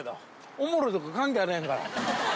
おもろいとか関係あらへんから。